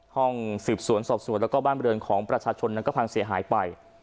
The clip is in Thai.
ห้องสืบสวนสอบสวนแล้วก็บ้านบริเวณของประชาชนนั้นก็พังเสียหายไป